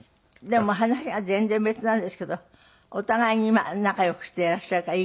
でも話が全然別なんですけどお互いに仲良くしていらっしゃるからいいけど。